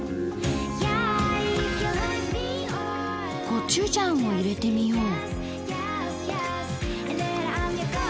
コチュジャンを入れてみよう。